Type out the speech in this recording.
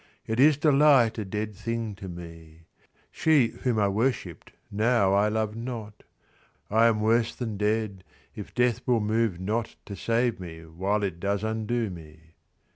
Yet is delight a dead thing to me ; She whom I worshipped now I love not ; I am worse than dead if death will move not To save me while it does undo me.